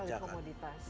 banyak sekali komoditas